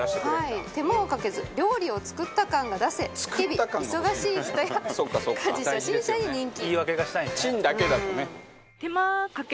奈緒：手間をかけず料理を作った感が出せ日々、忙しい人や家事初心者に人気。